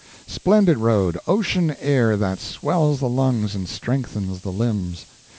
Splendid road, ocean air that swells the lungs and strengthens the limbs.